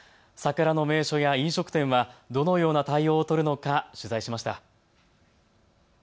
桜の名所や飲食店はどのような対応を取るのか取材しました。